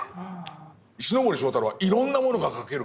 石森章太郎はいろんなものが描ける